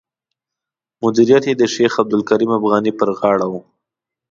مدیریت یې د شیخ عبدالکریم افغاني پر غاړه و.